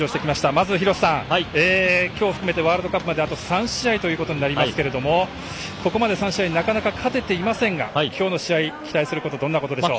まず、廣瀬さん、今日を含めてワールドカップまであと３試合となりますけどここまで３試合なかなか勝てていませんが今日の試合、期待することどんなことでしょう。